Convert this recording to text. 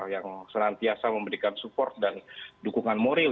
yang serantiasa memberikan support dan dukungan moral ya